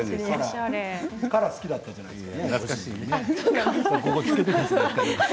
ＫＡＲＡ好きだったじゃないですか。